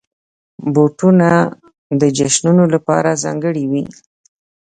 بوټونه د جشنونو لپاره ځانګړي وي.